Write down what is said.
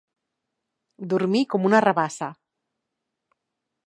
Dormir com una rabassa.